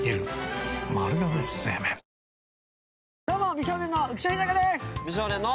美少年の浮所飛貴です！